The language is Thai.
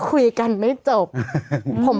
พี่ขับรถไปเจอแบบ